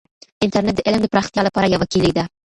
انټرنیټ د علم د پراختیا لپاره یوه کیلي ده.